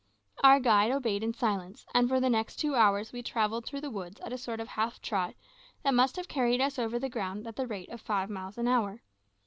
Our guide obeyed in silence, and for the next two hours we travelled through the woods at a sort of half trot that must have carried us over the ground at the rate of five miles in hour.